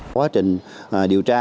quá trình điều tra